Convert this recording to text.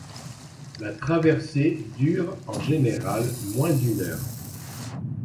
La traversée dure en général moins d'une heure.